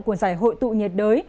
của giải hội tụ nhiệt đới